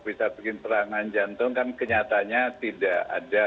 bisa bikin serangan jantung kan kenyataannya tidak ada